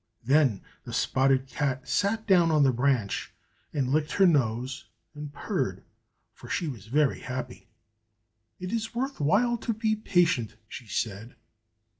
Then the spotted cat sat down on the branch, and licked her nose and purred, for she was very happy. "It is worth while to be patient!" she said.